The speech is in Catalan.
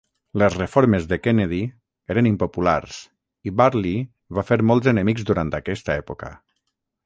Les reformes de Kennedy eren impopulars i Barlee va fer molts enemics durant aquesta època.